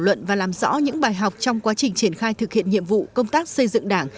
luận và làm rõ những bài học trong quá trình triển khai thực hiện nhiệm vụ công tác xây dựng đảng